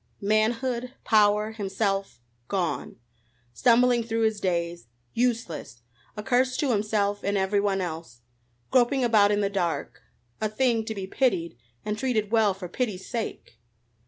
Manhood, power, himself gone. Stumbling through his days! Useless! a curse to himself and everyone else. Groping about in the dark a thing to be pitied and treated well for pity's sake!